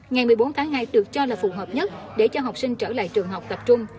ngày một mươi bốn tháng hai được cho là phù hợp nhất để cho học sinh trở lại trường học tập trung